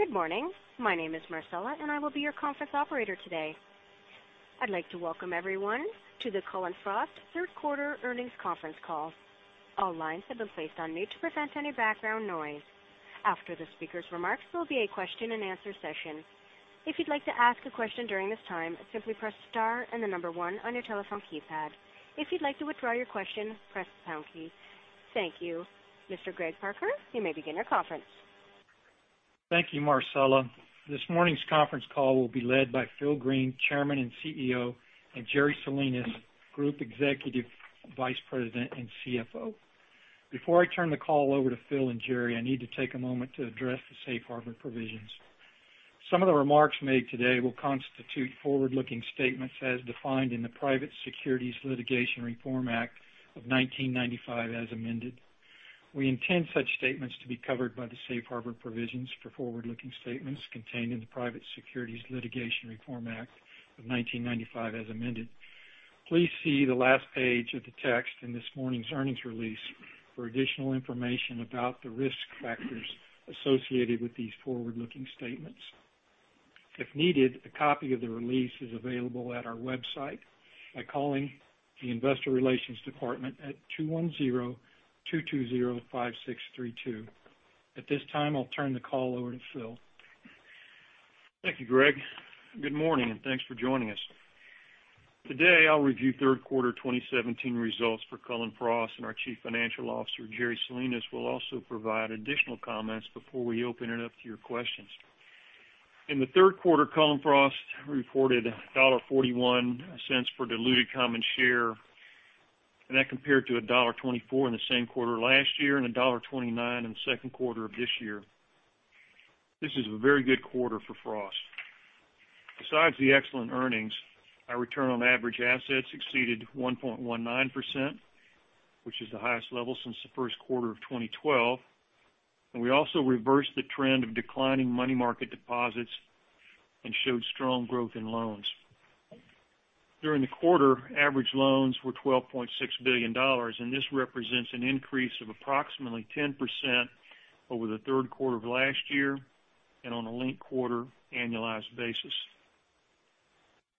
Good morning. My name is Marcella, and I will be your conference operator today. I'd like to welcome everyone to the Cullen/Frost third quarter earnings conference call. All lines have been placed on mute to prevent any background noise. After the speakers' remarks, there will be a question and answer session. If you'd like to ask a question during this time, simply press star and the number one on your telephone keypad. If you'd like to withdraw your question, press the pound key. Thank you. Mr. Greg Parker, you may begin your conference. Thank you, Marcella. This morning's conference call will be led by Phil Green, Chairman and CEO, and Jerry Salinas, Group Executive Vice President and CFO. Before I turn the call over to Phil and Jerry, I need to take a moment to address the safe harbor provisions. Some of the remarks made today will constitute forward-looking statements as defined in the Private Securities Litigation Reform Act of 1995, as amended. We intend such statements to be covered by the safe harbor provisions for forward-looking statements contained in the Private Securities Litigation Reform Act of 1995, as amended. Please see the last page of the text in this morning's earnings release for additional information about the risk factors associated with these forward-looking statements. If needed, a copy of the release is available at our website by calling the investor relations department at 210-220-5632. At this time, I'll turn the call over to Phil. Thank you, Greg. Good morning and thanks for joining us. Today, I'll review third quarter 2017 results for Cullen/Frost, and our Chief Financial Officer, Jerry Salinas, will also provide additional comments before we open it up to your questions. In the third quarter, Cullen/Frost reported $1.41 for diluted common share, and that compared to $1.24 in the same quarter last year and $1.29 in the second quarter of this year. This is a very good quarter for Frost. Besides the excellent earnings, our return on average assets exceeded 1.19%, which is the highest level since the first quarter of 2012, and we also reversed the trend of declining money market deposits and showed strong growth in loans. During the quarter, average loans were $12.6 billion, and this represents an increase of approximately 10% over the third quarter of last year and on a linked quarter annualized basis.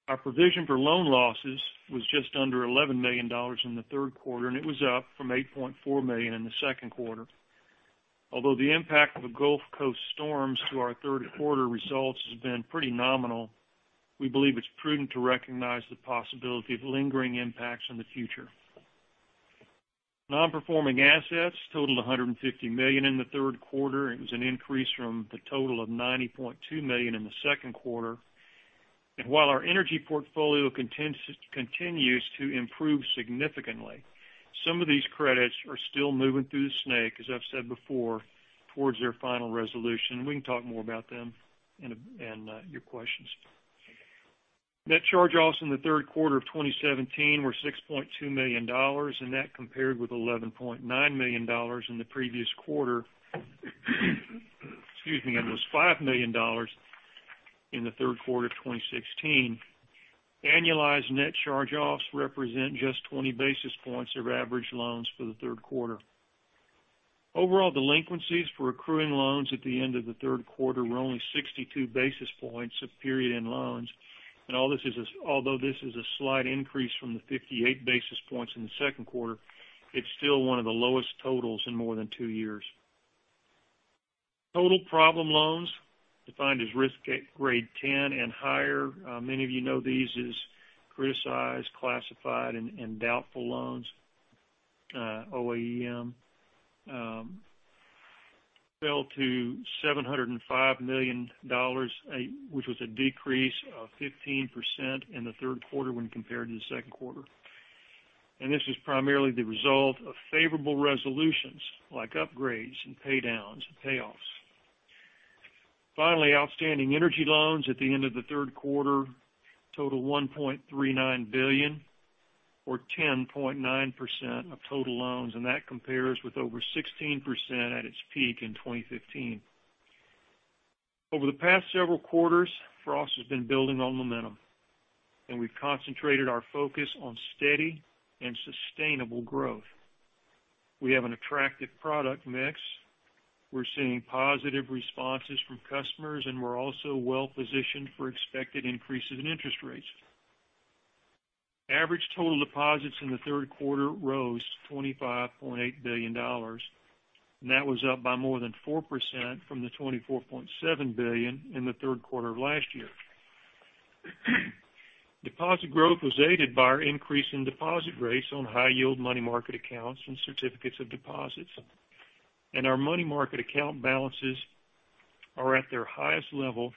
Our provision for loan losses was just under $11 million in the third quarter. It was up from $8.4 million in the second quarter. Although the impact of the Gulf Coast storms to our third quarter results has been pretty nominal, we believe it's prudent to recognize the possibility of lingering impacts in the future. Non-performing assets totaled $150 million in the third quarter. It was an increase from the total of $90.2 million in the second quarter. While our energy portfolio continues to improve significantly, some of these credits are still moving through the snake, as I've said before, towards their final resolution, and we can talk more about them in your questions. Net charge-offs in the third quarter of 2017 were $6.2 million. That compared with $11.9 million in the previous quarter, excuse me, and it was $5 million in the third quarter of 2016. Annualized net charge-offs represent just 20 basis points of average loans for the third quarter. Overall delinquencies for accruing loans at the end of the third quarter were only 62 basis points of period-end loans. Although this is a slight increase from the 58 basis points in the second quarter, it's still one of the lowest totals in more than two years. Total problem loans, defined as risk grade 10 and higher, many of you know these as criticized, classified, and doubtful loans, OAEM, fell to $705 million, which was a decrease of 15% in the third quarter when compared to the second quarter. This is primarily the result of favorable resolutions like upgrades and pay downs and payoffs. Finally, outstanding energy loans at the end of the third quarter total $1.39 billion, or 10.9% of total loans. That compares with over 16% at its peak in 2015. Over the past several quarters, Frost has been building on momentum. We've concentrated our focus on steady and sustainable growth. We have an attractive product mix. We're seeing positive responses from customers, and we're also well-positioned for expected increases in interest rates. Average total deposits in the third quarter rose to $25.8 billion. That was up by more than 4% from the $24.7 billion in the third quarter of last year. Deposit growth was aided by our increase in deposit rates on high yield money market accounts and certificates of deposits. Our money market account balances are at their highest level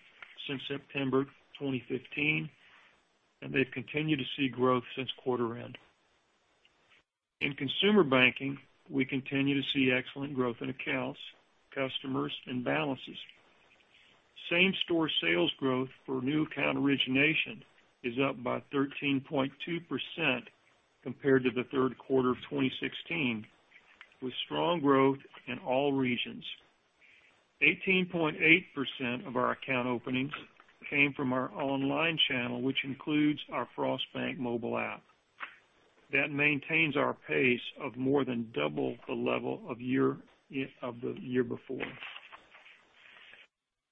since September 2015, and they've continued to see growth since quarter end. In consumer banking, we continue to see excellent growth in accounts, customers, and balances. Same-store sales growth for new account origination is up by 13.2% compared to the third quarter of 2016, with strong growth in all regions. 18.8% of our account openings came from our online channel, which includes our Frost Bank mobile app. That maintains our pace of more than double the level of the year before.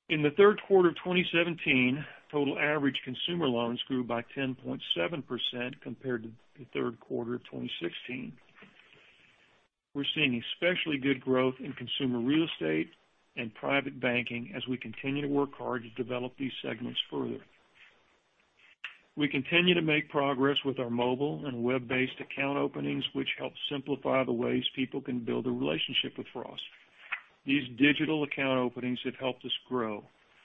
In the third quarter of 2017, total average consumer loans grew by 10.7% compared to the third quarter of 2016. We're seeing especially good growth in consumer real estate and private banking as we continue to work hard to develop these segments further. We continue to make progress with our mobile and web-based account openings, which help simplify the ways people can build a relationship with Frost. These digital account openings have helped us grow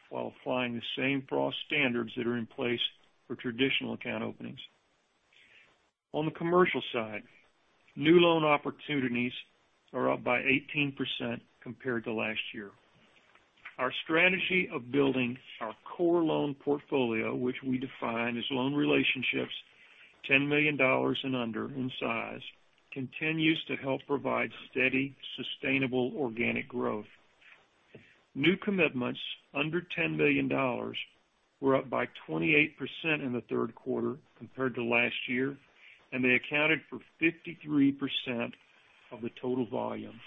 while applying the same Frost standards that are in place for traditional account openings. On the commercial side, new loan opportunities are up by 18% compared to last year. Our strategy of building our core loan portfolio, which we define as loan relationships $10 million and under in size, continues to help provide steady, sustainable organic growth. New commitments under $10 million were up by 28% in the third quarter compared to last year. They accounted for 53% of the total volume,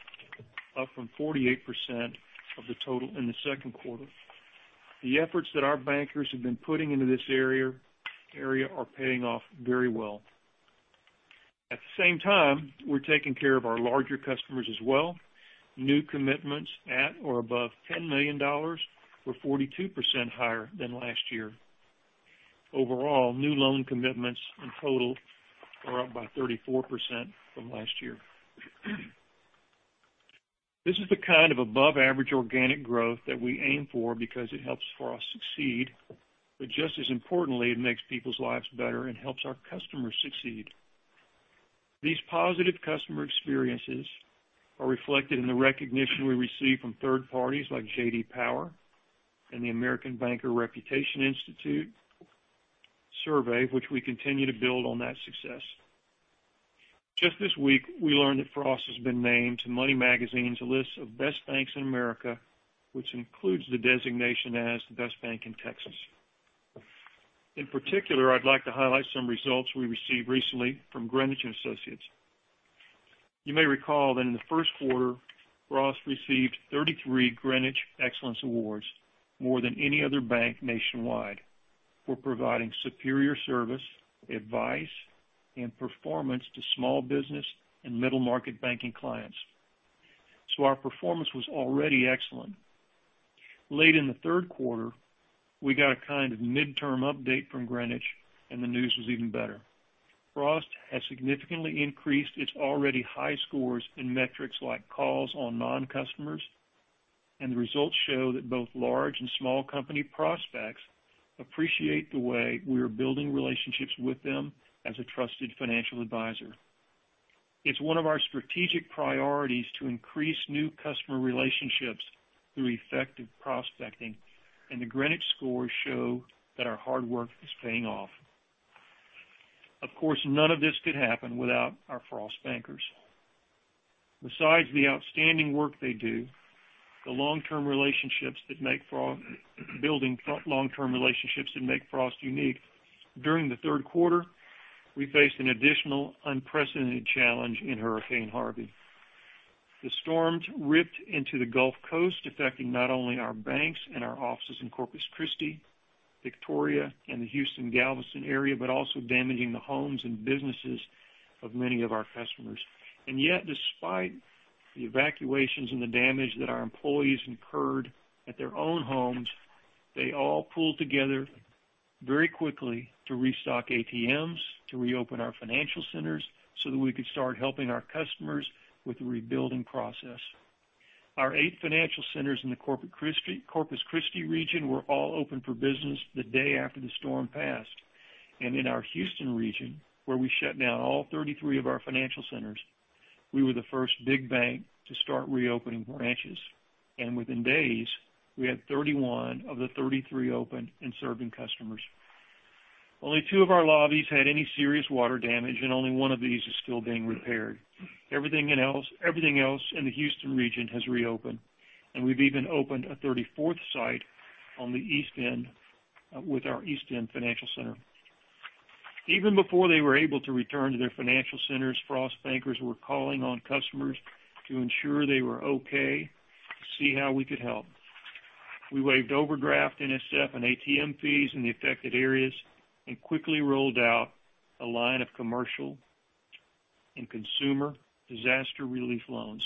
up from 48% of the total in the second quarter. The efforts that our bankers have been putting into this area are paying off very well. At the same time, we're taking care of our larger customers as well. New commitments at or above $10 million were 42% higher than last year. Overall, new loan commitments in total are up by 34% from last year. This is the kind of above-average organic growth that we aim for because it helps Frost succeed. Just as importantly, it makes people's lives better and helps our customers succeed. These positive customer experiences are reflected in the recognition we receive from third parties like J.D. Power and the American Banker and Reputation Institute survey, which we continue to build on that success. Just this week, we learned that Frost has been named to Money magazine's list of Best Banks in America, which includes the designation as the best bank in Texas. In particular, I'd like to highlight some results we received recently from Greenwich Associates. You may recall that in the first quarter, Frost received 33 Greenwich Excellence Awards, more than any other bank nationwide, for providing superior service, advice, and performance to small business and middle-market banking clients. Our performance was already excellent. Late in the third quarter, we got a kind of midterm update from Greenwich. The news was even better. Frost has significantly increased its already high scores in metrics like calls on non-customers. The results show that both large and small company prospects appreciate the way we are building relationships with them as a trusted financial advisor. It's one of our strategic priorities to increase new customer relationships through effective prospecting. The Greenwich scores show that our hard work is paying off. Of course, none of this could happen without our Frost bankers. Besides the outstanding work they do, building long-term relationships that make Frost unique. During the third quarter, we faced an additional unprecedented challenge in Hurricane Harvey. The storms ripped into the Gulf Coast, affecting not only our banks and our offices in Corpus Christi, Victoria, and the Houston/Galveston area, also damaging the homes and businesses of many of our customers. Yet, despite the evacuations and the damage that our employees incurred at their own homes, they all pulled together very quickly to restock ATMs, to reopen our financial centers, that we could start helping our customers with the rebuilding process. Our eight financial centers in the Corpus Christi region were all open for business the day after the storm passed. In our Houston region, where we shut down all 33 of our financial centers, we were the first big bank to start reopening branches. Within days, we had 31 of the 33 open and serving customers. Only two of our lobbies had any serious water damage, and only one of these is still being repaired. Everything else in the Houston region has reopened, and we've even opened a 34th site on the East End with our East End Financial Center. Even before they were able to return to their financial centers, Frost bankers were calling on customers to ensure they were okay, to see how we could help. We waived overdraft, NSF, and ATM fees in the affected areas and quickly rolled out a line of commercial and consumer disaster relief loans.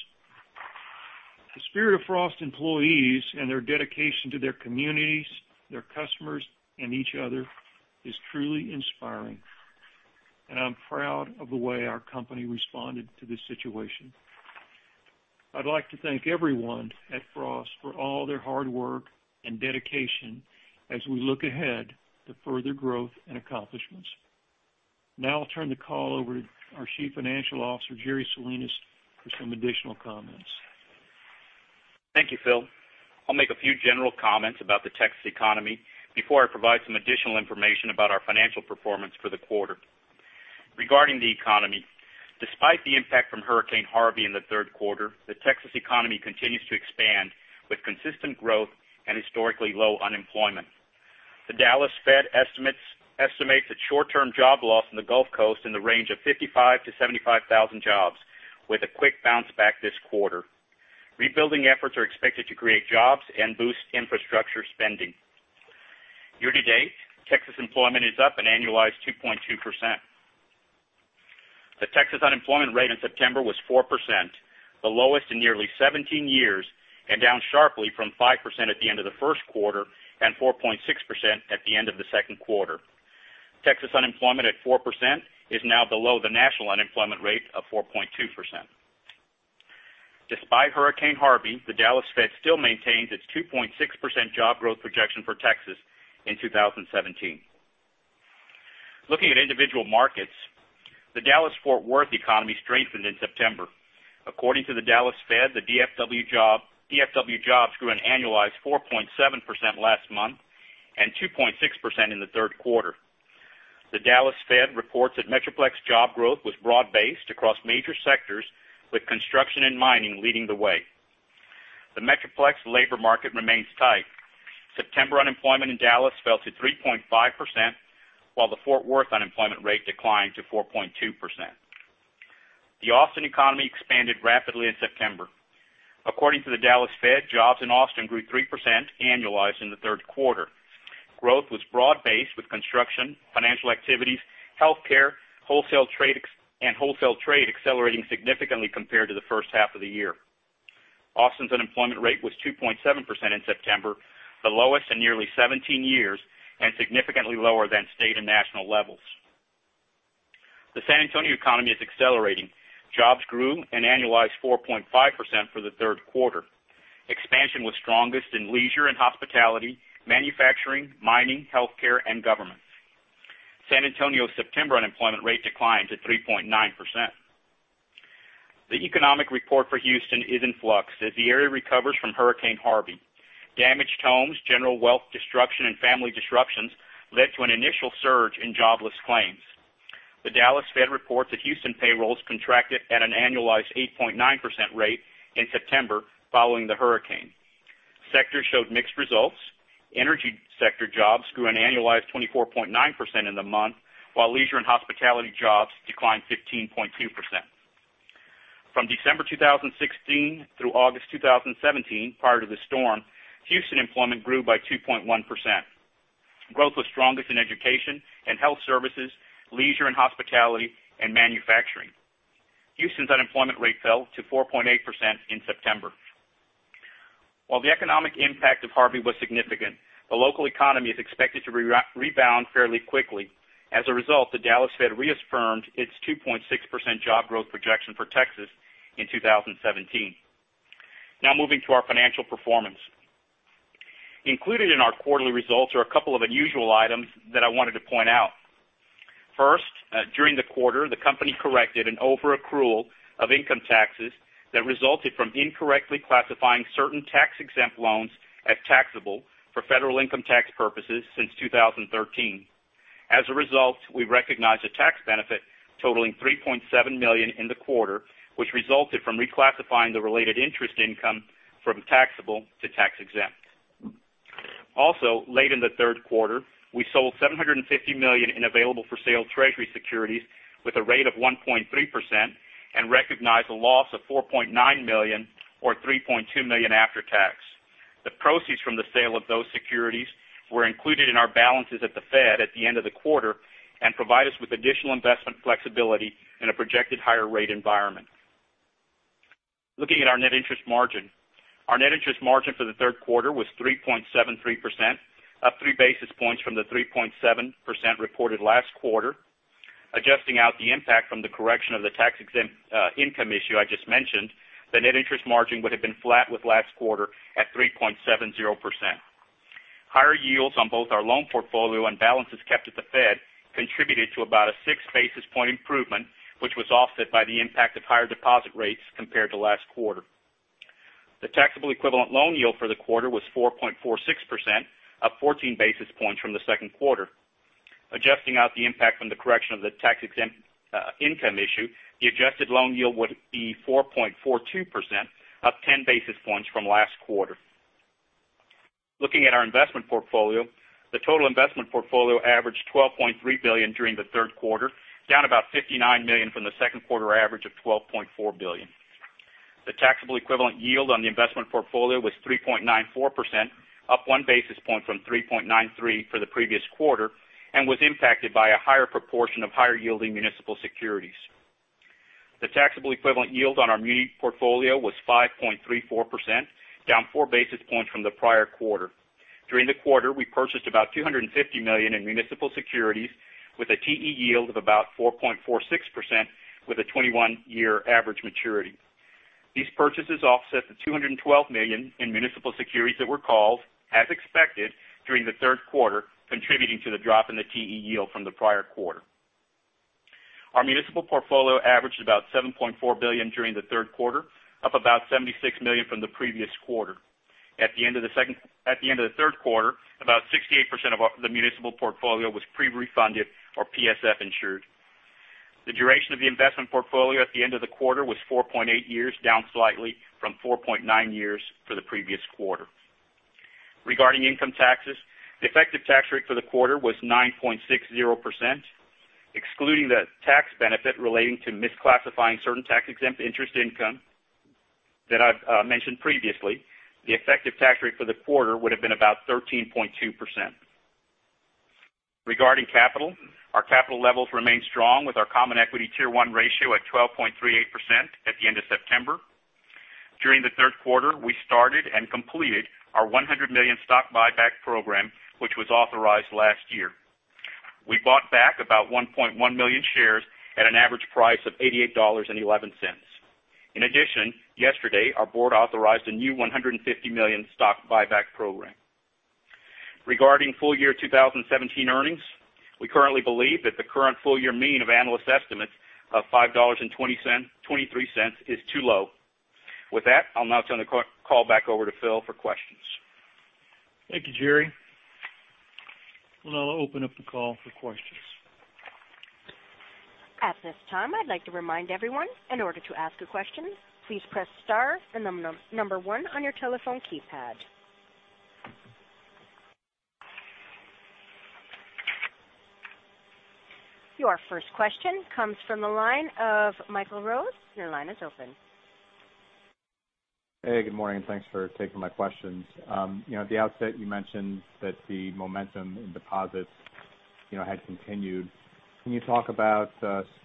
The spirit of Frost employees and their dedication to their communities, their customers, and each other is truly inspiring. I'm proud of the way our company responded to this situation. I'd like to thank everyone at Frost for all their hard work and dedication as we look ahead to further growth and accomplishments. Now I'll turn the call over to our Chief Financial Officer, Jerry Salinas, for some additional comments. Thank you, Phil. I'll make a few general comments about the Texas economy before I provide some additional information about our financial performance for the quarter. Regarding the economy Despite the impact from Hurricane Harvey in the third quarter, the Texas economy continues to expand with consistent growth and historically low unemployment. The Dallas Fed estimates the short-term job loss in the Gulf Coast in the range of 55,000 to 75,000 jobs, with a quick bounce back this quarter. Rebuilding efforts are expected to create jobs and boost infrastructure spending. Year-to-date, Texas employment is up an annualized 2.2%. The Texas unemployment rate in September was 4%, the lowest in nearly 17 years, and down sharply from 5% at the end of the first quarter and 4.6% at the end of the second quarter. Texas unemployment at 4% is now below the national unemployment rate of 4.2%. Despite Hurricane Harvey, the Dallas Fed still maintains its 2.6% job growth projection for Texas in 2017. Looking at individual markets, the Dallas-Fort Worth economy strengthened in September. According to the Dallas Fed, the DFW jobs grew an annualized 4.7% last month and 2.6% in the third quarter. The Dallas Fed reports that Metroplex job growth was broad-based across major sectors with construction and mining leading the way. The Metroplex labor market remains tight. September unemployment in Dallas fell to 3.5%, while the Fort Worth unemployment rate declined to 4.2%. The Austin economy expanded rapidly in September. According to the Dallas Fed, jobs in Austin grew 3% annualized in the third quarter. Growth was broad-based with construction, financial activities, healthcare, and wholesale trade accelerating significantly compared to the first half of the year. Austin's unemployment rate was 2.7% in September, the lowest in nearly 17 years, and significantly lower than state and national levels. The San Antonio economy is accelerating. Jobs grew an annualized 4.5% for the third quarter. Expansion was strongest in leisure and hospitality, manufacturing, mining, healthcare, and government. San Antonio's September unemployment rate declined to 3.9%. The economic report for Houston is in flux as the area recovers from Hurricane Harvey. Damaged homes, general wealth destruction, and family disruptions led to an initial surge in jobless claims. The Dallas Fed reports that Houston payrolls contracted at an annualized 8.9% rate in September following the hurricane. Sectors showed mixed results. Energy sector jobs grew an annualized 24.9% in the month, while leisure and hospitality jobs declined 15.2%. From December 2016 through August 2017, prior to the storm, Houston employment grew by 2.1%. Growth was strongest in education and health services, leisure and hospitality, and manufacturing. Houston's unemployment rate fell to 4.8% in September. While the economic impact of Harvey was significant, the local economy is expected to rebound fairly quickly. As a result, the Dallas Fed reaffirmed its 2.6% job growth projection for Texas in 2017. Moving to our financial performance. Included in our quarterly results are a couple of unusual items that I wanted to point out. First, during the quarter, the company corrected an over-accrual of income taxes that resulted from incorrectly classifying certain tax-exempt loans as taxable for federal income tax purposes since 2013. As a result, we recognized a tax benefit totaling $3.7 million in the quarter, which resulted from reclassifying the related interest income from taxable to tax-exempt. Late in the third quarter, we sold $750 million in available for sale Treasury securities with a rate of 1.3% and recognized a loss of $4.9 million, or $3.2 million after tax. The proceeds from the sale of those securities were included in our balances at the Fed at the end of the quarter and provide us with additional investment flexibility in a projected higher rate environment. Looking at our net interest margin. Our net interest margin for the third quarter was 3.73%, up three basis points from the 3.7% reported last quarter. Adjusting out the impact from the correction of the tax-exempt income issue I just mentioned, the net interest margin would have been flat with last quarter at 3.70%. Higher yields on both our loan portfolio and balances kept at the Fed contributed to about a six basis point improvement, which was offset by the impact of higher deposit rates compared to last quarter. The taxable equivalent loan yield for the quarter was 4.46%, up 14 basis points from the second quarter. Adjusting out the impact from the correction of the tax-exempt income issue, the adjusted loan yield would be 4.42%, up 10 basis points from last quarter. Looking at our investment portfolio, the total investment portfolio averaged $12.3 billion during the third quarter, down about $59 million from the second quarter average of $12.4 billion. The taxable equivalent yield on the investment portfolio was 3.94%, up one basis point from 3.93% for the previous quarter, and was impacted by a higher proportion of higher yielding municipal securities. The taxable equivalent yield on our muni portfolio was 5.34%, down four basis points from the prior quarter. During the quarter, we purchased about $250 million in municipal securities with a TE yield of about 4.46% with a 21-year average maturity. These purchases offset the $212 million in municipal securities that were called as expected during the third quarter, contributing to the drop in the TE yield from the prior quarter. Our municipal portfolio averaged about $7.4 billion during the third quarter, up about $76 million from the previous quarter. At the end of the third quarter, about 68% of the municipal portfolio was pre-refunded or PSF insured. The duration of the investment portfolio at the end of the quarter was 4.8 years, down slightly from 4.9 years for the previous quarter. Regarding income taxes, the effective tax rate for the quarter was 9.60%, excluding the tax benefit relating to misclassifying certain tax-exempt interest income that I've mentioned previously, the effective tax rate for the quarter would've been about 13.2%. Regarding capital, our capital levels remain strong with our common equity Tier 1 ratio at 12.38% at the end of September. During the third quarter, we started and completed our $100 million stock buyback program, which was authorized last year. We bought back about 1.1 million shares at an average price of $88.11. Yesterday, our board authorized a new $150 million stock buyback program. Regarding full year 2017 earnings, we currently believe that the current full year mean of analyst estimates of $5.23 is too low. With that, I'll now turn the call back over to Phil for questions. Thank you, Jerry. I'll open up the call for questions. At this time, I'd like to remind everyone, in order to ask a question, please press star then the number 1 on your telephone keypad. Your first question comes from the line of Michael Rose. Your line is open. Hey, good morning, thanks for taking my questions. At the outset, you mentioned that the momentum in deposits had continued. Can you talk about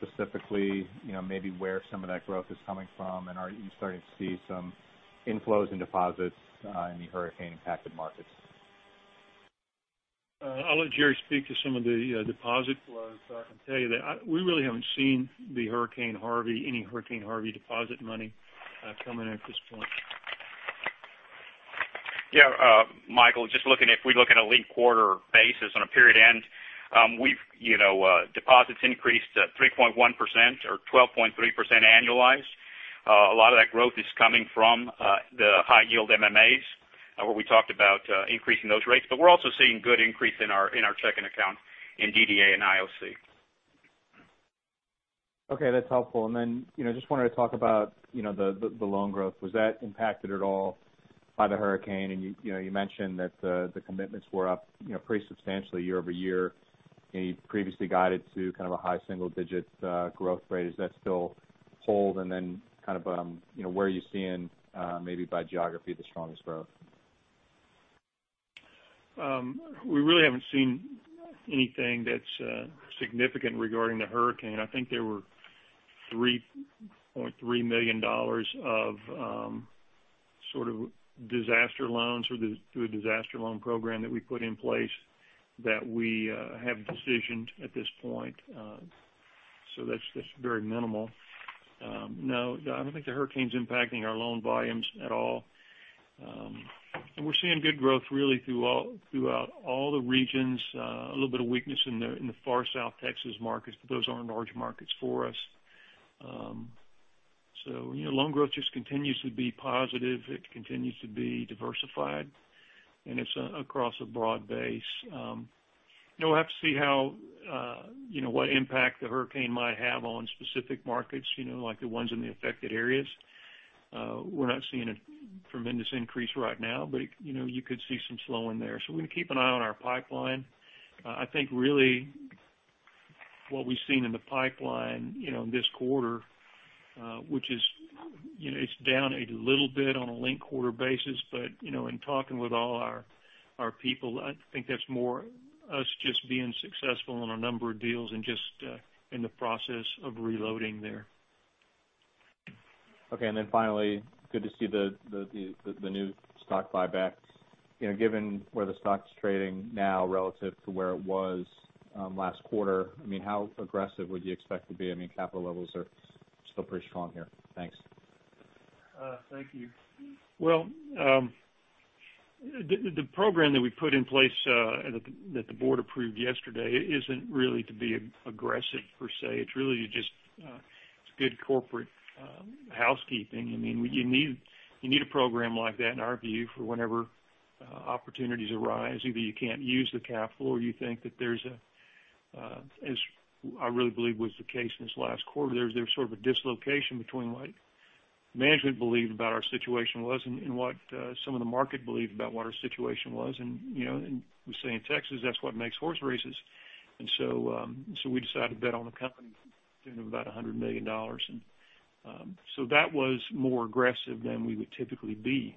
specifically maybe where some of that growth is coming from, and are you starting to see some inflows in deposits in the hurricane-impacted markets? I'll let Jerry speak to some of the deposit flows. I can tell you that we really haven't seen any Hurricane Harvey deposit money come in at this point. Yeah, Michael, if we look at a linked quarter basis on a period end, deposits increased 3.1% or 12.3% annualized. A lot of that growth is coming from the high yield MMAs, where we talked about increasing those rates. We're also seeing good increase in our checking account in DDA and IOC. Okay, that's helpful. Just wanted to talk about the loan growth. Was that impacted at all by the hurricane? You mentioned that the commitments were up pretty substantially year-over-year, and you previously guided to kind of a high single-digit growth rate. Does that still hold? Where are you seeing maybe by geography the strongest growth? We really haven't seen anything that's significant regarding the hurricane. I think there were $3.3 million of disaster loans through a disaster loan program that we put in place that we have decisioned at this point. That's very minimal. No, I don't think the hurricane's impacting our loan volumes at all. We're seeing good growth really throughout all the regions. A little bit of weakness in the far South Texas markets, but those aren't large markets for us. Loan growth just continues to be positive. It continues to be diversified, and it's across a broad base. We'll have to see what impact the hurricane might have on specific markets like the ones in the affected areas. We're not seeing a tremendous increase right now, but you could see some slowing there. We're going to keep an eye on our pipeline. I think really what we've seen in the pipeline this quarter, which is down a little bit on a linked quarter basis, but in talking with all our people, I think that's more us just being successful in a number of deals and just in the process of reloading there. Okay, finally, good to see the new stock buybacks. Given where the stock's trading now relative to where it was last quarter, how aggressive would you expect to be? Capital levels are still pretty strong here. Thanks. Thank you. The program that we put in place that the board approved yesterday isn't really to be aggressive per se. It's really just good corporate housekeeping. You need a program like that, in our view, for whenever opportunities arise, either you can't use the capital or you think that there's a, as I really believe was the case in this last quarter, there was sort of a dislocation between what management believed about our situation was and what some of the market believed about what our situation was. We say in Texas, that's what makes horse races. We decided to bet on the company to the tune of about $100 million. That was more aggressive than we would typically be.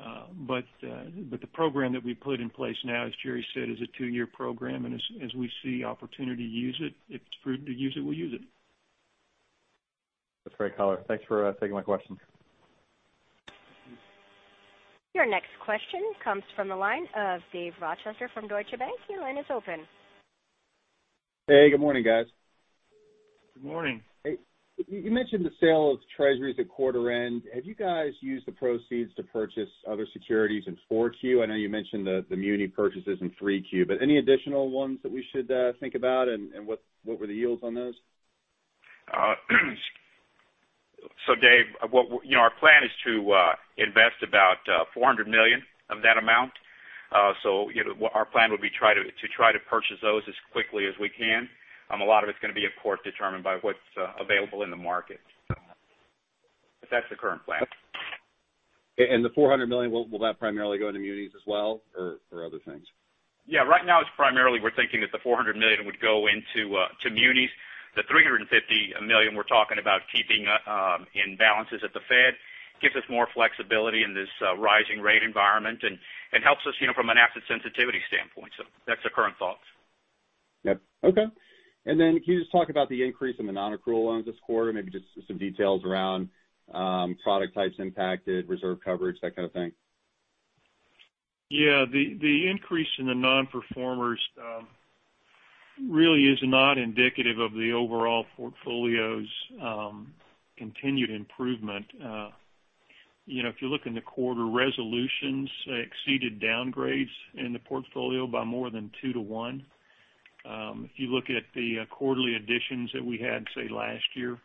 The program that we put in place now, as Jerry said, is a two-year program, and as we see opportunity to use it, if it's prudent to use it, we'll use it. That's very clear. Thanks for taking my questions. Your next question comes from the line of Dave Rochester from Deutsche Bank. Your line is open. Hey, good morning, guys. Good morning. Hey, you mentioned the sale of treasuries at quarter end. Have you guys used the proceeds to purchase other securities in 4Q? I know you mentioned the muni purchases in 3Q, but any additional ones that we should think about, and what were the yields on those? Dave, our plan is to invest about $400 million of that amount. Our plan would be to try to purchase those as quickly as we can. A lot of it's going to be, of course, determined by what's available in the market. That's the current plan. The $400 million, will that primarily go into munis as well or other things? Yeah. Right now it's primarily we're thinking that the $400 million would go into munis. The $350 million we're talking about keeping in balances at the Fed. Gives us more flexibility in this rising rate environment and helps us from an asset sensitivity standpoint. That's the current thoughts. Yep. Okay. Can you just talk about the increase in the non-accrual loans this quarter? Maybe just some details around product types impacted, reserve coverage, that kind of thing. Yeah. The increase in the non-performers really is not indicative of the overall portfolio's continued improvement. If you look in the quarter, resolutions exceeded downgrades in the portfolio by more than 2 to 1. If you look at the quarterly additions that we had, say, last year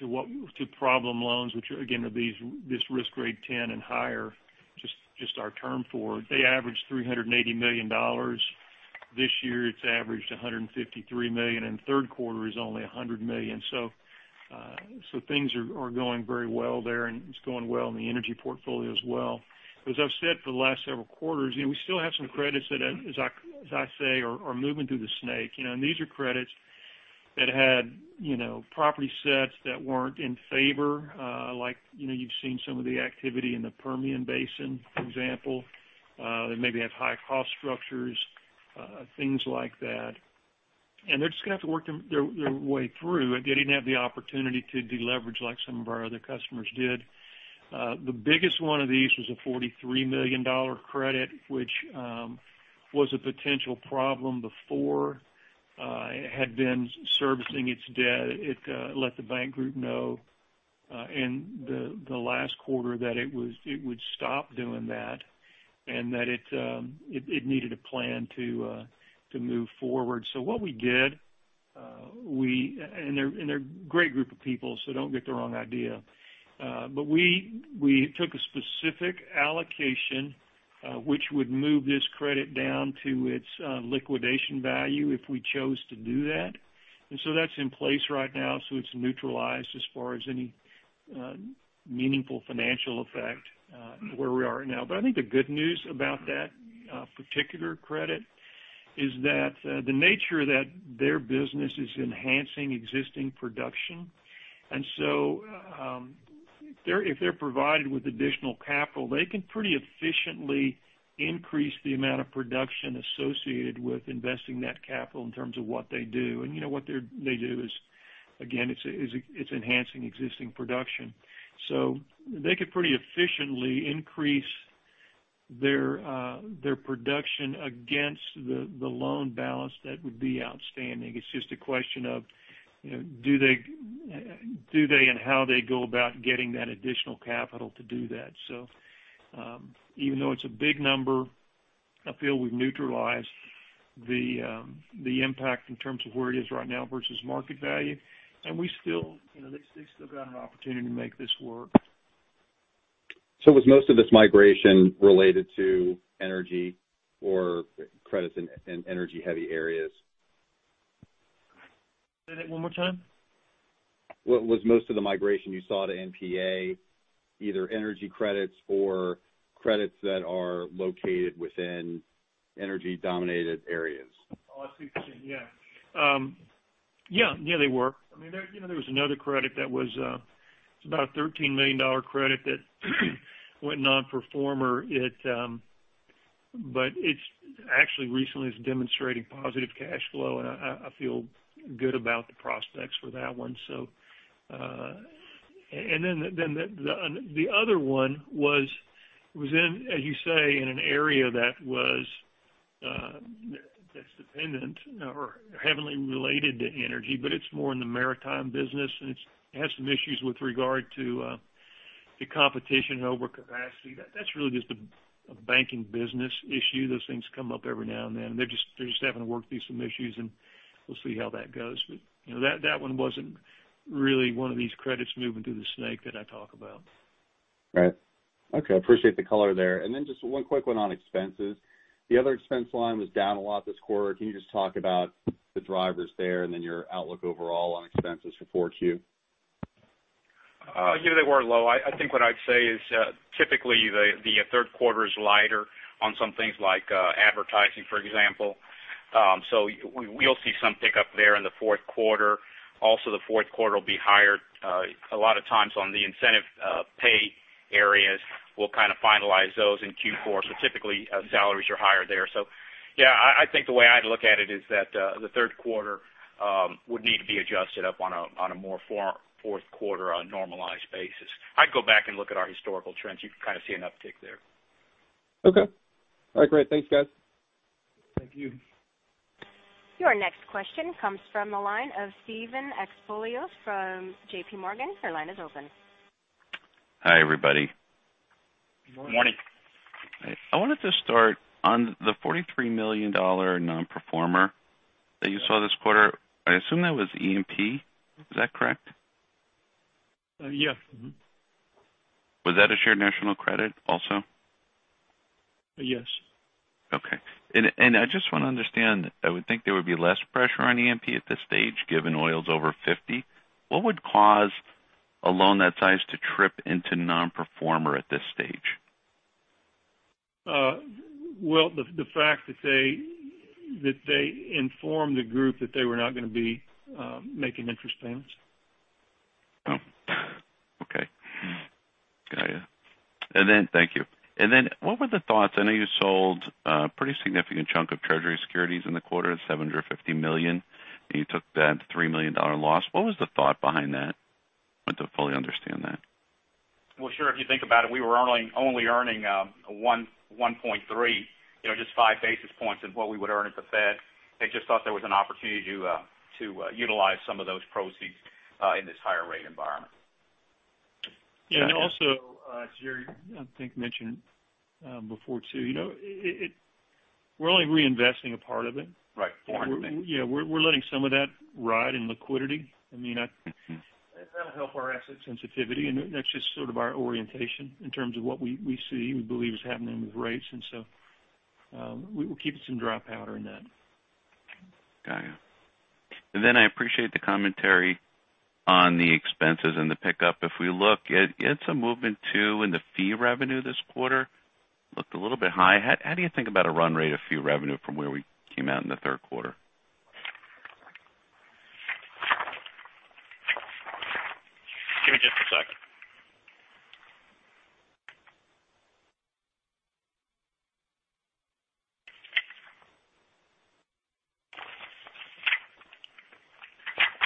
to problem loans, which again, are this risk grade 10 and higher, just our term for, they averaged $380 million. This year it's averaged $153 million, and third quarter is only $100 million. Things are going very well there, and it's going well in the energy portfolio as well. As I've said for the last several quarters, we still have some credits that, as I say, are moving through the snake. These are credits that had property sets that weren't in favor. Like you've seen some of the activity in the Permian Basin, for example, that maybe have high cost structures, things like that. They're just going to have to work their way through it. They didn't have the opportunity to deleverage like some of our other customers did. The biggest one of these was a $43 million credit, which was a potential problem before it had been servicing its debt. It let the bank group know in the last quarter that it would stop doing that and that it needed a plan to move forward. What we did. And they're a great group of people, don't get the wrong idea. We took a specific allocation which would move this credit down to its liquidation value if we chose to do that. That's in place right now. It's neutralized as far as any meaningful financial effect where we are right now. I think the good news about that particular credit is that the nature of that their business is enhancing existing production, and so if they're provided with additional capital, they can pretty efficiently increase the amount of production associated with investing that capital in terms of what they do. You know what they do is, again, it's enhancing existing production. They could pretty efficiently increase their production against the loan balance that would be outstanding. It's just a question of do they and how they go about getting that additional capital to do that. Even though it's a big number, I feel we've neutralized the impact in terms of where it is right now versus market value. They've still got an opportunity to make this work. Was most of this migration related to energy or credits in energy heavy areas? Say that one more time. Was most of the migration you saw to NPA, either energy credits or credits that are located within energy dominated areas? Oh, I see what you're saying. Yeah. Yeah, they were. There was another credit that was about $13 million credit that went non-performer. It's actually recently is demonstrating positive cash flow, and I feel good about the prospects for that one. The other one was in, as you say, in an area that's dependent or heavily related to energy, but it's more in the maritime business, and it has some issues with regard to competition and overcapacity. That's really just a banking business issue. Those things come up every now and then. They're just having to work through some issues, and we'll see how that goes. That one wasn't really one of these credits moving through the snake that I talk about. Right. Okay. Appreciate the color there. Just one quick one on expenses. The other expense line was down a lot this quarter. Can you just talk about the drivers there and then your outlook overall on expenses for 4Q? Yeah, they were low. I think what I'd say is typically the third quarter is lighter on some things like advertising, for example. We'll see some pickup there in the fourth quarter. Also, the fourth quarter will be higher a lot of times on the incentive pay areas. We'll kind of finalize those in Q4. Typically, salaries are higher there. Yeah, I think the way I'd look at it is that the third quarter would need to be adjusted up on a more fourth quarter on a normalized basis. I'd go back and look at our historical trends. You can kind of see an uptick there. Okay. All right, great. Thanks, guys. Thank you. Your next question comes from the line of Steven Alexopoulos from JPMorgan. Your line is open. Hi, everybody. Morning. Morning. I wanted to start on the $43 million non-performer that you saw this quarter. I assume that was E&P. Is that correct? Yes. Mm-hmm. Was that a shared national credit also? Yes. Okay. I just want to understand, I would think there would be less pressure on E&P at this stage, given oil's over $50. What would cause a loan that size to trip into non-performer at this stage? Well, the fact that they informed the group that they were not going to be making interest payments. Oh, okay. Got you. Thank you. What were the thoughts? I know you sold a pretty significant chunk of Treasury securities in the quarter, $750 million, and you took that $3 million loss. What was the thought behind that? I want to fully understand that. Well, sure. If you think about it, we were only earning 1.3, just five basis points of what we would earn at the Fed. They just thought there was an opportunity to utilize some of those proceeds in this higher rate environment. Got you. Also, as Jerry I think mentioned before, too, we're only reinvesting a part of it. Right. We're letting some of that ride in liquidity. That'll help our asset sensitivity. That's just sort of our orientation in terms of what we see, we believe is happening with rates. We'll keep some dry powder in that. Got you. I appreciate the commentary on the expenses and the pickup. If we look, it's a movement too in the fee revenue this quarter. Looked a little bit high. How do you think about a run rate of fee revenue from where we came out in the third quarter? Give me just a sec.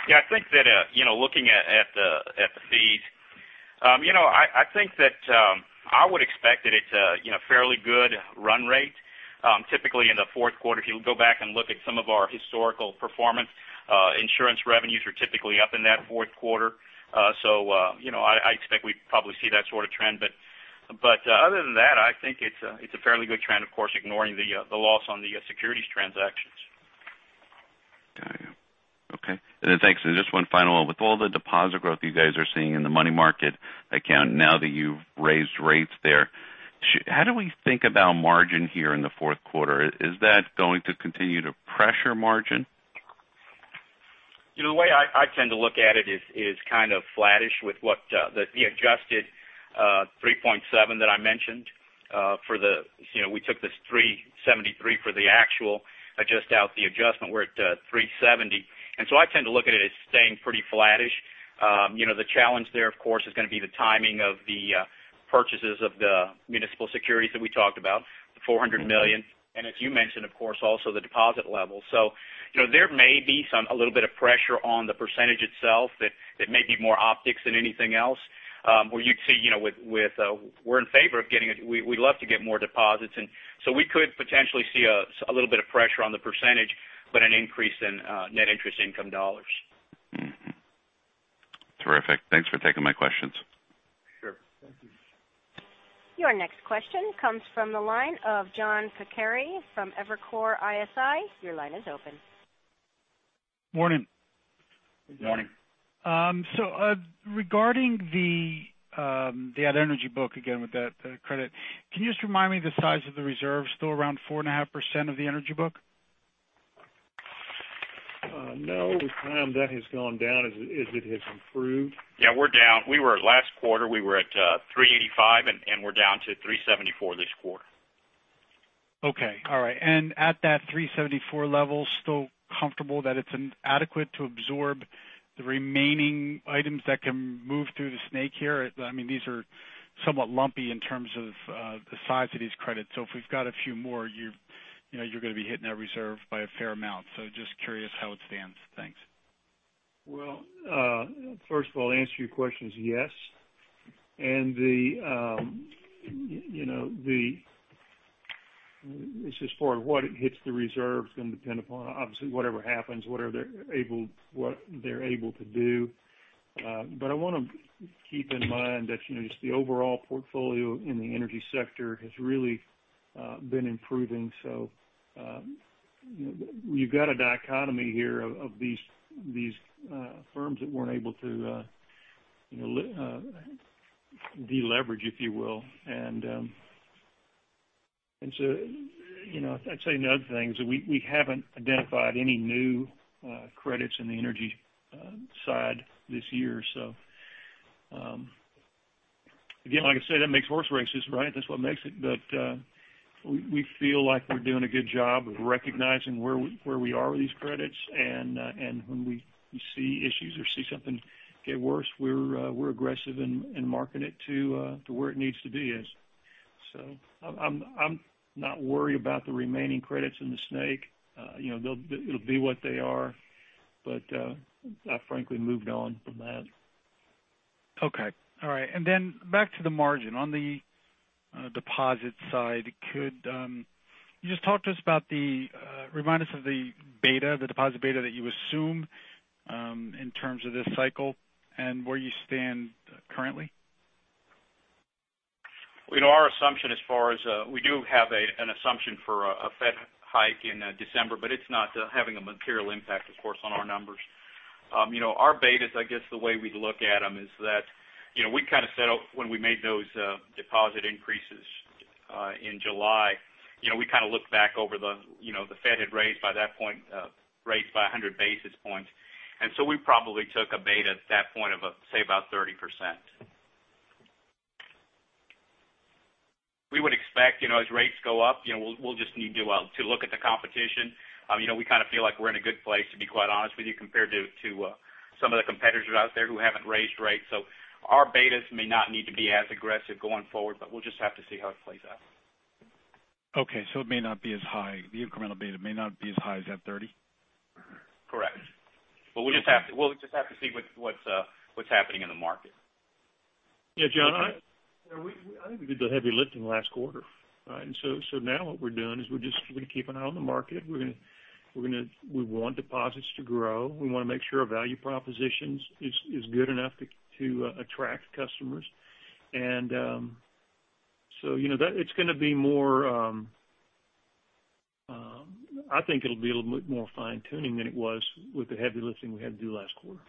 Yeah, I think that, looking at the fees, I think that I would expect that it's a fairly good run rate. Typically in the fourth quarter, if you go back and look at some of our historical performance, insurance revenues are typically up in that fourth quarter. I expect we'd probably see that sort of trend. Other than that, I think it's a fairly good trend, of course, ignoring the loss on the securities transactions. Got you. Okay. Thanks. Just one final one. With all the deposit growth you guys are seeing in the money market account now that you've raised rates there, how do we think about margin here in the fourth quarter? Is that going to continue to pressure margin? The way I tend to look at it is kind of flattish with what the adjusted 3.7 that I mentioned. We took this $373 for the actual, adjust out the adjustment, we're at $370. I tend to look at it as staying pretty flattish. The challenge there, of course, is going to be the timing of the purchases of the municipal securities that we talked about, the $400 million. As you mentioned, of course, also the deposit level. There may be a little bit of pressure on the percentage itself that may be more optics than anything else. Where you'd see with we'd love to get more deposits, we could potentially see a little bit of pressure on the percentage, but an increase in net interest income dollars. Terrific. Thanks for taking my questions. Sure. Thank you. Your next question comes from the line of John Pancari from Evercore ISI. Your line is open. Morning. Morning. Regarding the energy book, again, with that credit, can you just remind me the size of the reserve, still around 4.5% of the energy book? No, with time that has gone down as it has improved. Yeah, we're down. Last quarter, we were at $385, and we're down to $374 this quarter. Okay. All right. At that $374 level, still comfortable that it's adequate to absorb the remaining items that can move through the snake here? These are somewhat lumpy in terms of the size of these credits. If we've got a few more, you're going to be hitting that reserve by a fair amount. Just curious how it stands. Thanks. First of all, answer your question is yes. As far as what hits the reserve is going to depend upon, obviously, whatever happens, what they're able to do. I want to keep in mind that just the overall portfolio in the energy sector has really been improving. You've got a dichotomy here of these firms that weren't able to deleverage, if you will. I'd say another thing is that we haven't identified any new credits in the energy side this year. Again, like I said, that makes horse races, right? That's what makes it. We feel like we're doing a good job of recognizing where we are with these credits, and when we see issues or see something get worse, we're aggressive in marking it to where it needs to be. I'm not worried about the remaining credits in the snake. It'll be what they are, but I frankly moved on from that. Okay. All right. Back to the margin. On the deposit side, can you just remind us of the deposit beta that you assume in terms of this cycle and where you stand currently? We do have an assumption for a Fed hike in December. It's not having a material impact, of course, on our numbers. Our betas, I guess, the way we look at them is that when we made those deposit increases in July, we kind of looked back over the Fed had raised by that point 100 basis points. We probably took a beta at that point of, say, about 30%. We would expect, as rates go up, we'll just need to look at the competition. We kind of feel like we're in a good place, to be quite honest with you, compared to some of the competitors out there who haven't raised rates. Our betas may not need to be as aggressive going forward, but we'll just have to see how it plays out. Okay, the incremental beta may not be as high as that 30? Correct. We'll just have to see what's happening in the market. Yeah, John, I think we did the heavy lifting last quarter, right? Now what we're doing is we're going to keep an eye on the market. We want deposits to grow. We want to make sure our value propositions is good enough to attract customers. I think it'll be a little bit more fine-tuning than it was with the heavy lifting we had to do last quarter.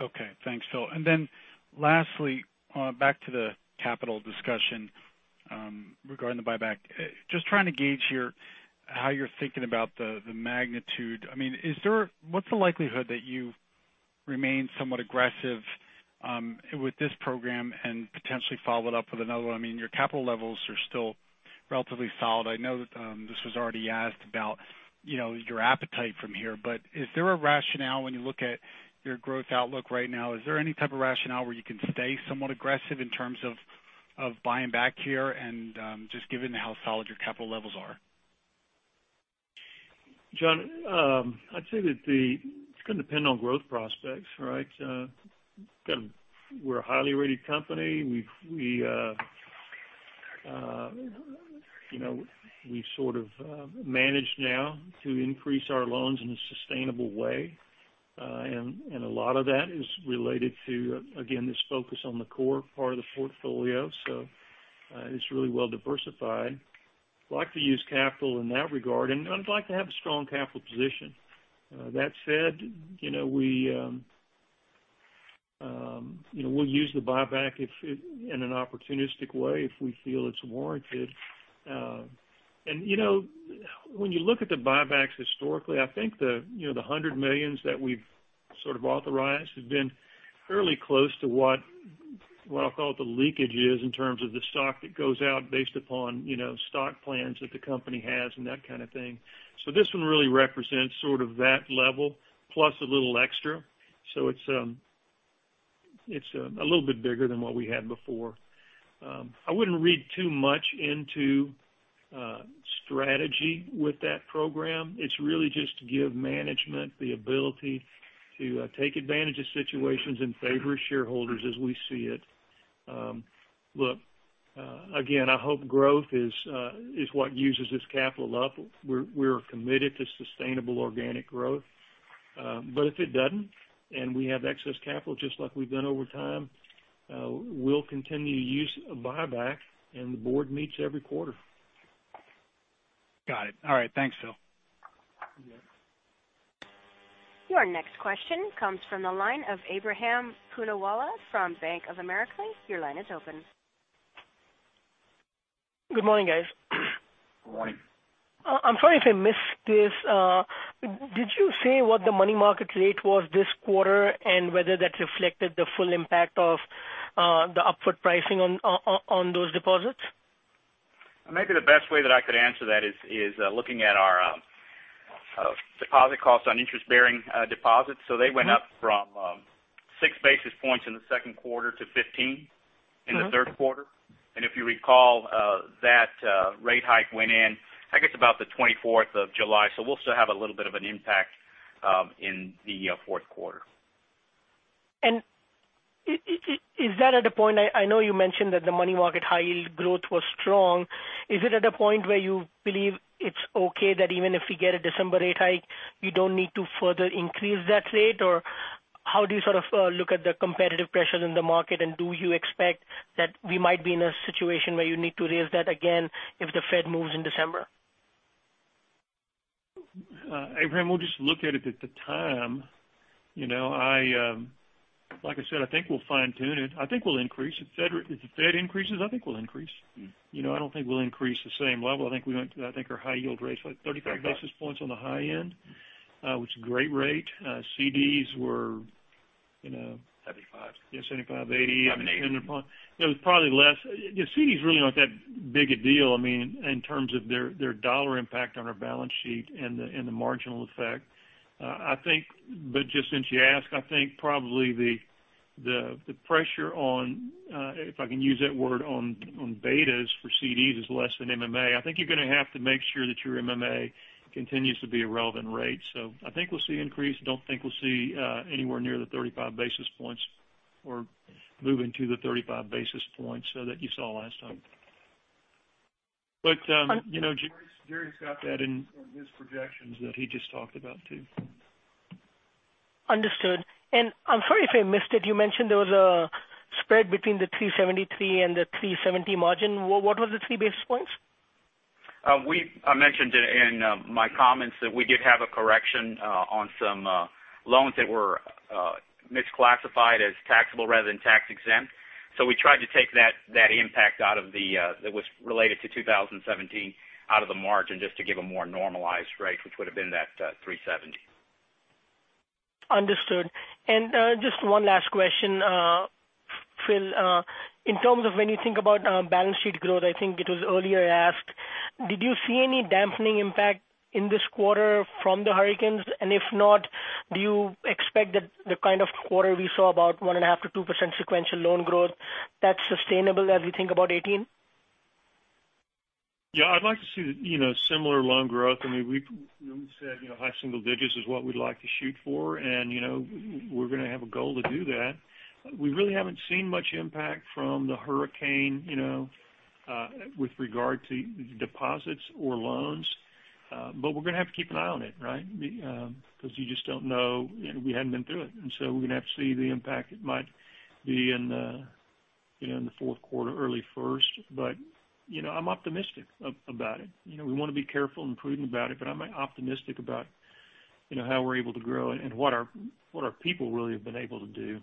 Okay, thanks, Phil. Lastly, back to the capital discussion regarding the buyback. Just trying to gauge how you're thinking about the magnitude. What's the likelihood that you remain somewhat aggressive with this program and potentially follow it up with another one? Your capital levels are still relatively solid. I know that this was already asked about your appetite from here, is there a rationale when you look at your growth outlook right now, is there any type of rationale where you can stay somewhat aggressive in terms of buying back here and just given how solid your capital levels are? John, I'd say that it's going to depend on growth prospects, right? We're a highly rated company. We've sort of managed now to increase our loans in a sustainable way. A lot of that is related to, again, this focus on the core part of the portfolio. It's really well diversified. Like to use capital in that regard, I'd like to have a strong capital position. That said, we'll use the buyback in an opportunistic way if we feel it's warranted. When you look at the buybacks historically, I think the $100 million that we've sort of authorized has been fairly close to what I'll call the leakage is in terms of the stock that goes out based upon stock plans that the company has and that kind of thing. This one really represents sort of that level plus a little extra. It's a little bit bigger than what we had before. I wouldn't read too much into strategy with that program. It's really just to give management the ability to take advantage of situations in favor of shareholders as we see it. Look, again, I hope growth is what uses this capital up. We're committed to sustainable organic growth. If it doesn't, we have excess capital just like we've done over time, we'll continue to use buyback, the board meets every quarter. Got it. All right, thanks, Phil. You bet. Your next question comes from the line of Ebrahim Poonawala from Bank of America. Your line is open. Good morning, guys. Good morning. I'm sorry if I missed this. Did you say what the money market rate was this quarter and whether that reflected the full impact of the upward pricing on those deposits? Maybe the best way that I could answer that is looking at our deposit costs on interest-bearing deposits. They went up from six basis points in the second quarter to 15 in the third quarter. If you recall, that rate hike went in, I guess, about the 24th of July. We'll still have a little bit of an impact in the fourth quarter. I know you mentioned that the money market high yield growth was strong. Is it at a point where you believe it's okay that even if we get a December rate hike, you don't need to further increase that rate? How do you sort of look at the competitive pressures in the market, and do you expect that we might be in a situation where you need to raise that again if the Fed moves in December? Ebrahim, we'll just look at it at the time. Like I said, I think we'll fine-tune it. I think we'll increase. If the Fed increases, I think we'll increase. I don't think we'll increase the same level. I think our high yield rates like 35 basis points on the high end, which is a great rate. Seventy-five. Yeah, 75, 80. 70, 80. It was probably less. CDs really aren't that big a deal, in terms of their dollar impact on our balance sheet and the marginal effect. Just since you asked, I think probably the pressure on, if I can use that word, on betas for CDs is less than MMA. I think you're going to have to make sure that your MMA continues to be a relevant rate. I think we'll see increase. Don't think we'll see anywhere near the 35 basis points or moving to the 35 basis points that you saw last time. Jerry's got that in his projections that he just talked about too. Understood. I'm sorry if I missed it, you mentioned there was a spread between the 373 and the 370 margin. What was the three basis points? I mentioned in my comments that we did have a correction on some loans that were misclassified as taxable rather than tax-exempt. We tried to take that impact that was related to 2017 out of the margin just to give a more normalized rate, which would've been that 370. Just one last question, Phil. In terms of when you think about balance sheet growth, I think it was earlier asked, did you see any dampening impact in this quarter from the hurricanes? If not, do you expect that the kind of quarter we saw, about 1.5%-2% sequential loan growth, that's sustainable as we think about 2018? Yeah, I'd like to see similar loan growth. We said high single digits is what we'd like to shoot for, we're going to have a goal to do that. We really haven't seen much impact from the hurricane with regard to deposits or loans. We're going to have to keep an eye on it, right? Because you just don't know, we haven't been through it. So we're going to have to see the impact. It might be in the fourth quarter, early first. I'm optimistic about it. We want to be careful and prudent about it, but I'm optimistic about how we're able to grow and what our people really have been able to do.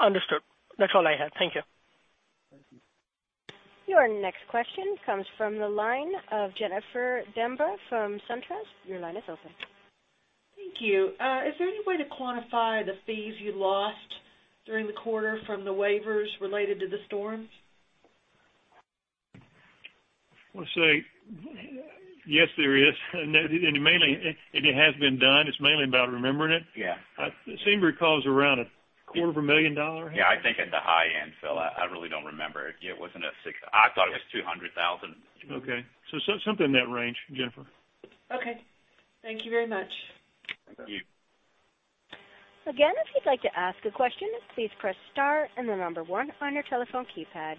Understood. That's all I have. Thank you. Thank you. Your next question comes from the line of Jennifer Demba from SunTrust. Your line is open. Thank you. Is there any way to quantify the fees you lost during the quarter from the waivers related to the storms? Well, yes there is. It has been done. It's mainly about remembering it. Yeah. Seem to recall it was around a quarter of a million dollar. Yeah, I think at the high end, Phil. I really don't remember. I thought it was $200,000. Okay. Something in that range, Jennifer. Okay. Thank you very much. Thank you. If you'd like to ask a question, please press star and the number 1 on your telephone keypad.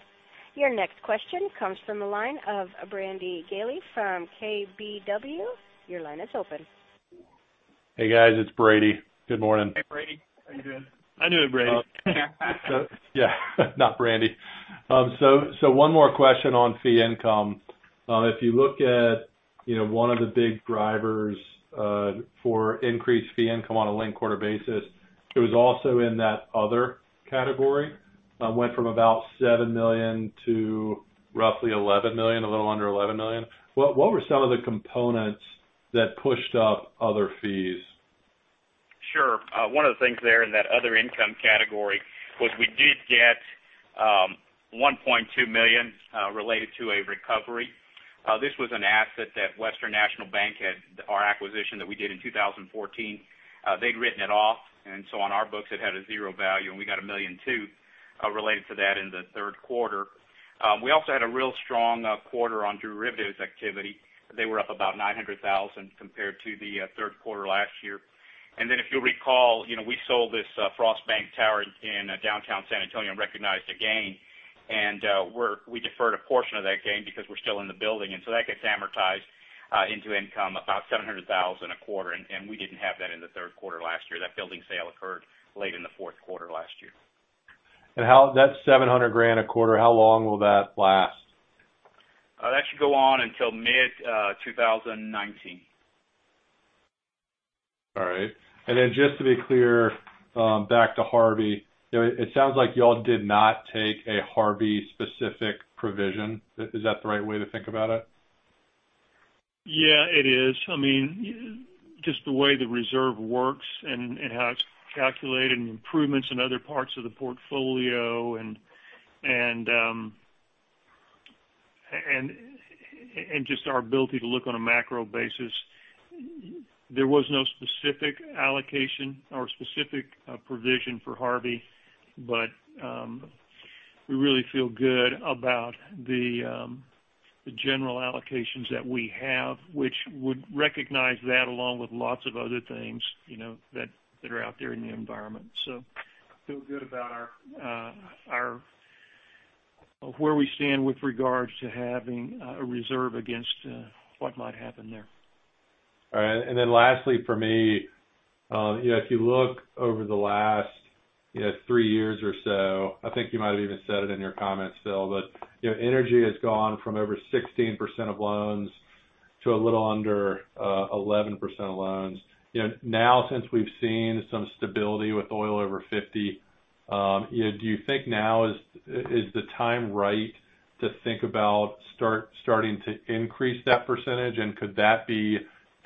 Your next question comes from the line of Brady Gailey from KBW. Your line is open. Hey, guys, it's Brady. Good morning. Hey, Brady. How you doing? I knew it, Brady. Yeah. Not Brady. One more question on fee income. If you look at one of the big drivers for increased fee income on a linked quarter basis, it was also in that other category, went from about $7 million to roughly $11 million, a little under $11 million. What were some of the components that pushed up other fees? Sure. One of the things there in that other income category was we did get $1.2 million related to a recovery. This was an asset that Western National Bank, our acquisition that we did in 2014. They'd written it off, so on our books it had a zero value, and we got $1.2 million related to that in the third quarter. We also had a real strong quarter on derivatives activity. They were up about $900,000 compared to the third quarter last year. If you'll recall, we sold this Frost Bank tower in downtown San Antonio and recognized a gain, we deferred a portion of that gain because we're still in the building. That gets amortized into income, about $700,000 a quarter, and we didn't have that in the third quarter last year. That building sale occurred late in the fourth quarter last year. That $700,000 a quarter, how long will that last? That should go on until mid-2019. All right. Just to be clear, back to Hurricane Harvey, it sounds like you all did not take a Hurricane Harvey specific provision. Is that the right way to think about it? Yeah, it is. Just the way the reserve works and how it's calculated, and improvements in other parts of the portfolio, and just our ability to look on a macro basis. There was no specific allocation or specific provision for Hurricane Harvey, we really feel good about the general allocations that we have, which would recognize that along with lots of other things that are out there in the environment. Feel good about where we stand with regards to having a reserve against what might happen there. All right. Lastly for me, if you look over the last three years or so, I think you might have even said it in your comments, Phil, energy has gone from over 16% of loans to a little under 11% of loans. Now since we've seen some stability with oil over $50, do you think now is the time right to think about starting to increase that percentage? Could that be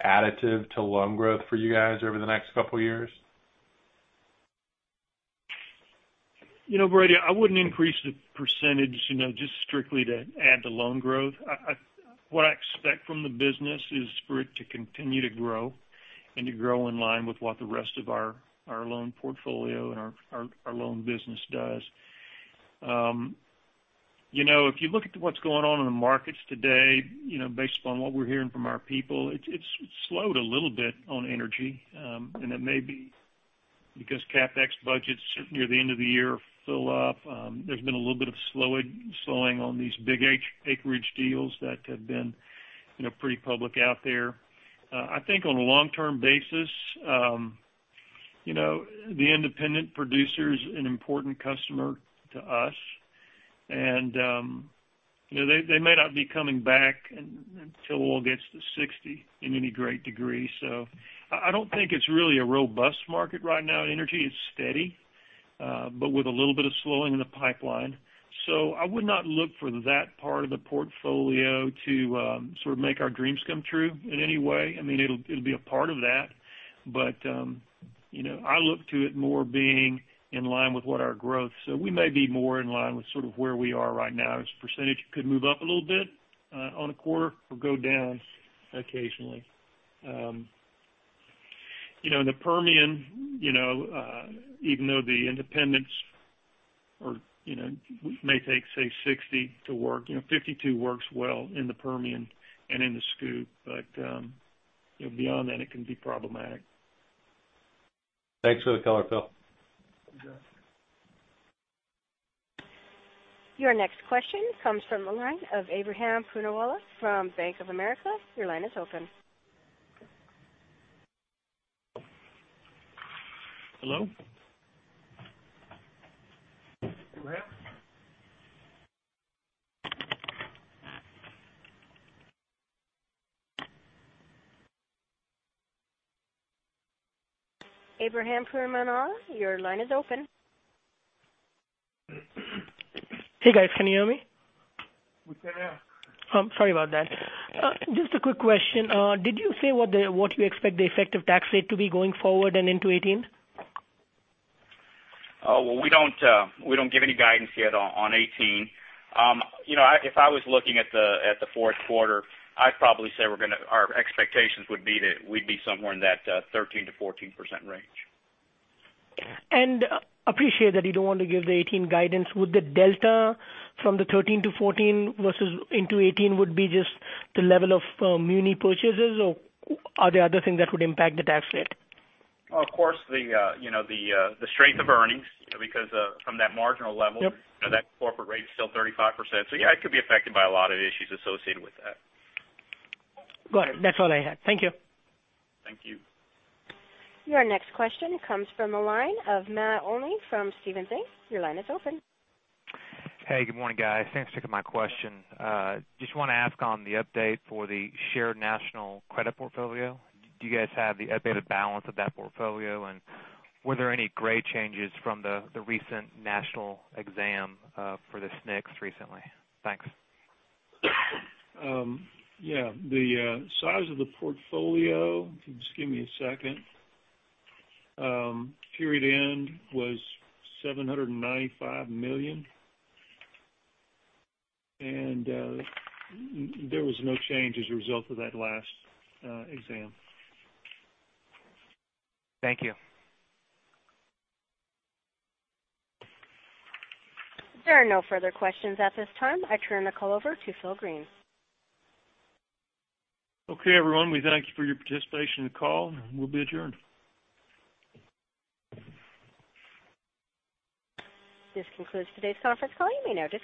additive to loan growth for you guys over the next couple of years? Brady, I wouldn't increase the percentage just strictly to add to loan growth. What I expect from the business is for it to continue to grow and to grow in line with what the rest of our loan portfolio and our loan business does. If you look at what's going on in the markets today, based upon what we're hearing from our people, it's slowed a little bit on energy, and it may be because CapEx budgets near the end of the year fill up. There's been a little bit of slowing on these big acreage deals that have been pretty public out there. I think on a long-term basis, the independent producer is an important customer to us, and they may not be coming back until oil gets to $60 in any great degree. I don't think it's really a robust market right now in energy. It's steady, but with a little bit of slowing in the pipeline. I would not look for that part of the portfolio to sort of make our dreams come true in any way. It'll be a part of that, but I look to it more being in line with what our growth. We may be more in line with sort of where we are right now. As a percentage, it could move up a little bit on a quarter or go down occasionally. In the Permian, even though the independents may take, say, 60 to work, 52 works well in the Permian and in the SCOOP. Beyond that, it can be problematic. Thanks for the color, Phil. You bet. Your next question comes from the line of Ebrahim Poonawala from Bank of America. Your line is open. Hello? Ebrahim? Ebrahim Poonawala, your line is open. Hey, guys. Can you hear me? We can now. Sorry about that. Just a quick question. Did you say what you expect the effective tax rate to be going forward and into 2018? Well, we don't give any guidance yet on 2018. If I was looking at the fourth quarter, I'd probably say our expectations would be that we'd be somewhere in that 13%-14% range. Appreciate that you don't want to give the 2018 guidance. Would the delta from the 13-14 versus into 2018 would be just the level of muni purchases, or are there other things that would impact the tax rate? Of course, the strength of earnings because from that marginal level. Yep. That corporate rate is still 35%. Yeah, it could be affected by a lot of issues associated with that. Got it. That's all I had. Thank you. Thank you. Your next question comes from the line of Matt Olney from Stephens Inc. Your line is open. Hey, good morning, guys. Thanks for taking my question. Just want to ask on the update for the shared national credit portfolio, do you guys have the updated balance of that portfolio? Were there any grade changes from the recent national exam, for the SNCs recently? Thanks. Yeah. The size of the portfolio, if you just give me a second. Period end was $795 million, and there was no change as a result of that last exam. Thank you. There are no further questions at this time. I turn the call over to Phil Green. Okay, everyone. We thank you for your participation in the call. We'll be adjourned. This concludes today's conference call. You may now disconnect.